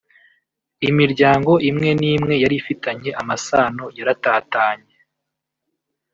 Imiryango imwe n’imwe yarifitanye amasano yaratatanye